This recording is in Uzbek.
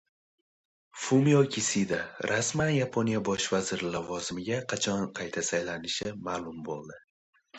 Fumio Kisida rasman Yaponiya bosh vaziri lavozimiga qachon qayta saylanishi ma’lum bo‘ldi